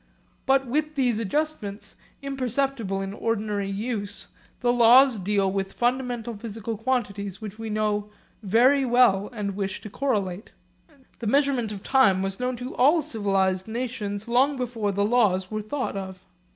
But with these adjustments, imperceptible in ordinary use, the laws deal with fundamental physical quantities which we know very well and wish to correlate. The measurement of time was known to all civilised nations long before the laws were thought of.